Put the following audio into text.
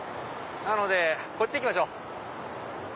なのでこっち行きましょう。